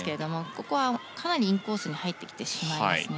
ここはかなりインコースに入ってきてしまいますね。